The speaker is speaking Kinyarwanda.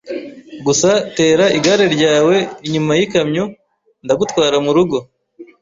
Gusa tera igare ryawe inyuma yikamyo ndagutwara murugo.